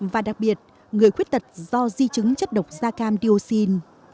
và đặc biệt người khuyết tật do di chứng chất độc da cam dioxin